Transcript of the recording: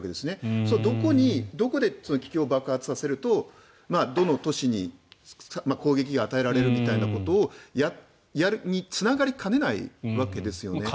そうするとどこで気球を爆発させるとどの都市に攻撃が与えられるみたいなことをやるにつながりかねないわけですよね。